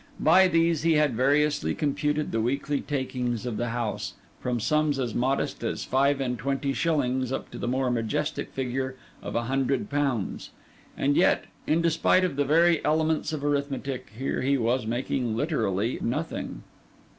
By these, he had variously computed the weekly takings of the house, from sums as modest as five and twenty shillings, up to the more majestic figure of a hundred pounds; and yet, in despite of the very elements of arithmetic, here he was making literally nothing.